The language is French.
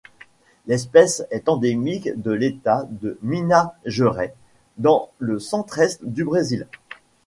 L'espèce est endémique de l'État de Minas Gerais dans le centre-est du Brésil.